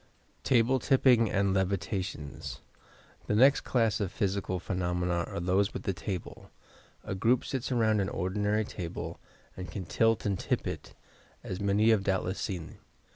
TABLE TIPPING AND "LEVfTATIONS" The next class of physical phenomena are those with the table. A group sits around an ordinary table, and a 322 YOUR PSYCHIC POWERS can tilt and tip it, as many of you have doubtless seen.